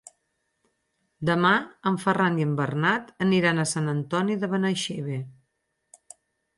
Demà en Ferran i en Bernat aniran a Sant Antoni de Benaixeve.